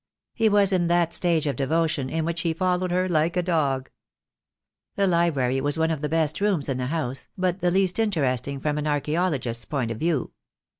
He was in that stage of devotion in which he followed her like a dog. The library was one of the best rooms in the house, but the least interesting from an archaeologist's point of view.